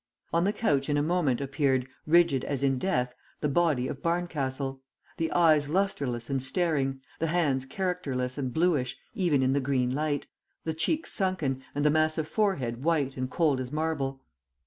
On the couch in a moment appeared, rigid as in death, the body of Barncastle; the eyes lustreless and staring, the hands characterless and bluish even in the green light, the cheeks sunken and the massive forehead white and cold as marble.